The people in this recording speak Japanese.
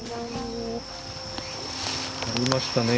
ありましたね。